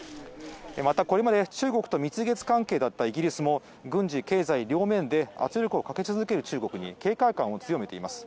またこれまで、中国と蜜月関係だったイギリスも、軍事、経済両面で圧力をかけ続ける中国に警戒感を強めています。